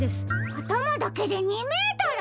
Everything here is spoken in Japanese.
あたまだけで２メートル！？